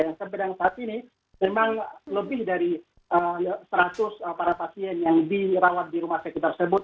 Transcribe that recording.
yang sampai dengan saat ini memang lebih dari seratus para pasien yang dirawat di rumah sakit tersebut